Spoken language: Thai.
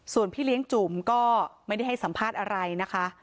ส่วนพี่เลี้ยงจุ๋มก็ไม่ได้ให้สัมภาษณ์อะไรนะคะ